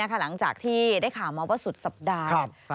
หลังจากที่ได้ข่าวมาว่าสุดสัปดาห์